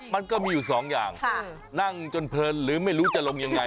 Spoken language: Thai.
มันก็มีอยู่สองอย่างนั่งจนเพลินหรือไม่รู้จะลงยังไง